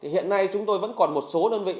hiện nay chúng tôi vẫn còn một số đơn vị